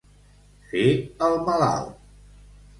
Fer el malalt.